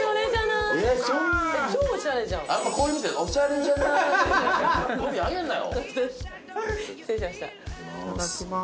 いただきます